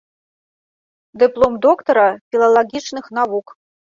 Дыплом доктара філалагічных навук.